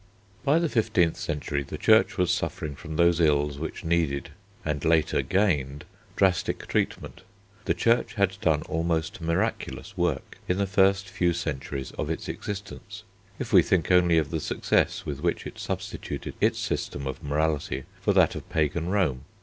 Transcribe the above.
By the fifteenth century the Church was suffering from those ills which needed and later gained drastic treatment. The Church had done almost miraculous work in the first few centuries of its existence, if we think only of the success with which it substituted its system of morality for that of pagan Rome.